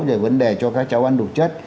để vấn đề cho các cháu ăn đủ chất